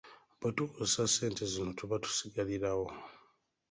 Bwe tukozesa ssente zino tuba tusigalirawo.